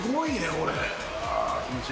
これ。